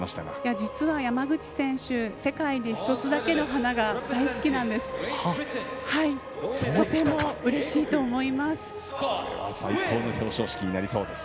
実は山口選手「世界で１つだけの花」が大好きなんです。